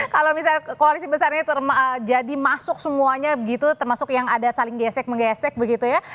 kalau misalnya koalisi besar ini jadi masuk semuanya begitu termasuk yang ada saling gesek menggesek begitu ya